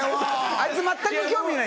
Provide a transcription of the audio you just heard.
あいつ全く興味ない。